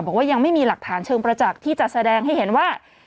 บอกว่ายังไม่มีหลักฐานเชิงประจักษ์ที่จะแสดงให้เห็นว่า